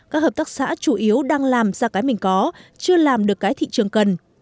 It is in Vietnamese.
các hợp tác xã chủ yếu đang làm ra cái mình có chưa làm được cái thị trường cần